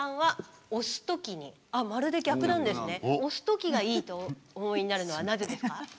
押す時がいいとお思いになるのはなぜですか？